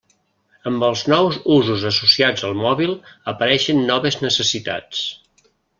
Amb els nous usos associats al mòbil, apareixen noves necessitats.